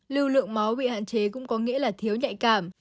lưu lượng máu bị hạn chế cũng có nghĩa là thiếu nhạy cảm